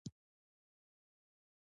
زردالو د افغانستان د جغرافیې بېلګه ده.